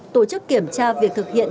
tổ chức kiểm tra việc thực hiện